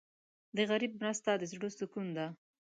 د غریب مرسته د زړه سکون ده.